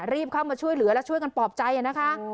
รีบเข้ามาช่วยเหลือและช่วยกันปลอบใจนะคะ